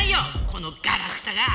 このガラクタが！